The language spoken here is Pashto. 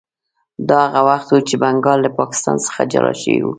دا هغه وخت و چې بنګال له پاکستان څخه جلا شوی و.